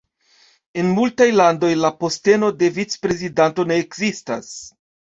En multaj landoj, la posteno de vicprezidanto ne ekzistas.